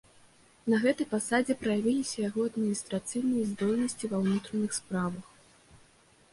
На гэтай пасадзе праявіліся яго адміністрацыйныя здольнасці ва ўнутраных справах.